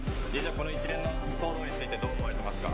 この一連の騒動についてどう思われていますか？